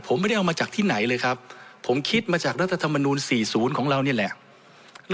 ผมไม่ได้เอามาจากที่ไหนเลยครับผมคิดมาจากรัฐธรรมนูล๔๐ของเรานี่แหละ